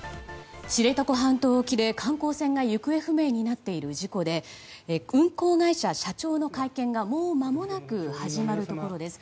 知床半島沖で観光船が行方不明になっている事故で運航会社社長の会見がもうまもなく始まるところです。